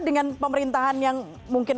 dengan pemerintahan yang mungkin